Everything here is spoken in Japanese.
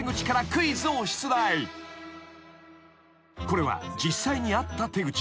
［これは実際にあった手口］